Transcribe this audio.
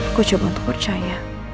aku coba untuk percaya